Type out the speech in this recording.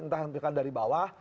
entah yang dikandali dari bawah